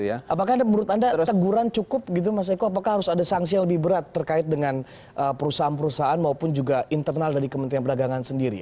apakah menurut anda teguran cukup gitu mas eko apakah harus ada sanksi yang lebih berat terkait dengan perusahaan perusahaan maupun juga internal dari kementerian perdagangan sendiri